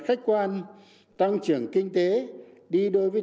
khách quan tăng trưởng kinh tế đi đối với